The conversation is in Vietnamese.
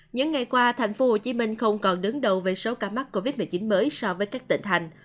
những ngày qua tp hcm không còn đứng đầu về số ca mắc covid một mươi chín mới so với các tỉnh thành